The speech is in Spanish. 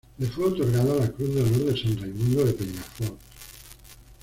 Le fue otorgada la Cruz de Honor de San Raimundo de Peñafort.